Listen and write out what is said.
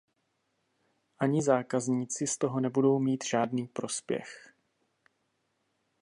Ani zákazníci z toho nebudou mít žádný prospěch.